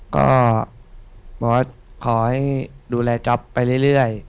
ก็บอกว่าขอให้ดูแลจ๊อปไปเรื่อย